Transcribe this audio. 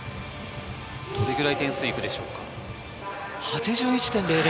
どれぐらい点数行くでしょうか。